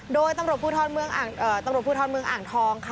โดยตำรวจผู้ทอดเมืองอ่างทอง